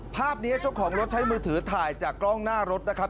ภาพนี้เจ้าของรถใช้มือถือถ่ายจากกล้องหน้ารถนะครับ